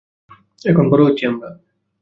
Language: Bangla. এখন বড় হচ্ছি আমরা।